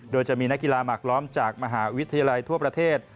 โดยจะมีนักกีฬาหมากล้อมจากมหาวิทยาลัยทั่วประเทศ